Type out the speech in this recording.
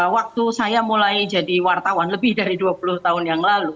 waktu saya mulai jadi wartawan lebih dari dua puluh tahun yang lalu